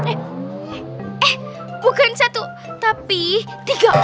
eh bukan satu tapi tiga orang